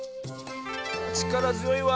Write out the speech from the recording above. ちからづよいわ。